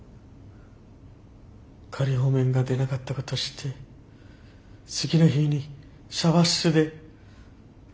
仮放免が出なかったこと知って次の日にシャワー室で。